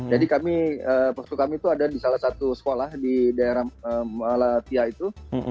jadi kami postur kami itu ada di salah satu sekolah di daerah malatya itu